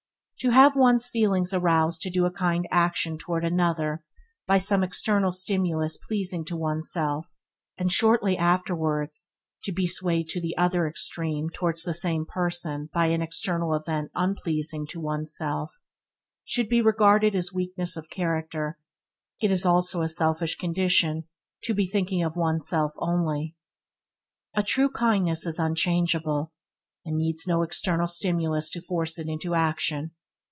To have one's feelings aroused to do a kind action towards another by some external stimulus pleasing to one's self, and shortly afterwards to be swayed to the other extreme towards the same person by an external event unpleasing to one's self, should be regarded as weakness of character; and it is also a selfish condition, us, and when he pleases us, to be thinking of one's self only. A true kindness is unchangeable, and needs no external stimulus to force it into action.